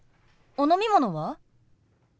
お飲み物は？